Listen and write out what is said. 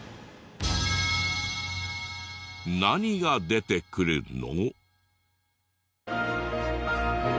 何が出てくるの？